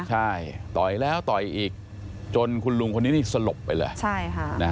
ใช่ต่อยแล้วต่อยอีกจนคุณลุงคนนี้สลบไปเลย